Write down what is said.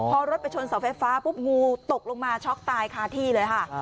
พอรถไปชนเสาไฟฟ้าปุ๊บงูตกลงมาช็อกตายคาที่เลยค่ะ